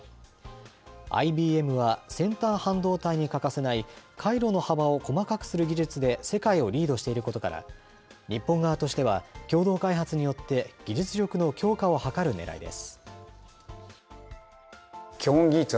ＩＢＭは先端半導体に欠かせない、回路の幅を細かくする技術で世界をリードしていることから、日本側としては共同開発によって技術力の強化を図るねらいです。